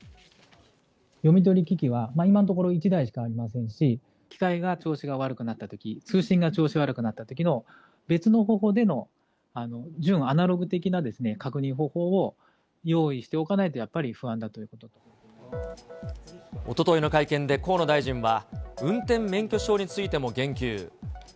読み取り機器は今のところ、１台しかありませんし、機械が調子が悪くなったとき、通信が調子悪くなったときの、別の方法での純アナログ的な確認方法を用意しておかないとやっぱおとといの会見で河野大臣は、運転免許証についても言及。